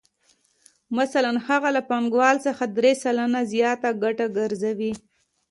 مثلاً هغه له پانګوال څخه درې سلنه زیاته ګټه ګرځوي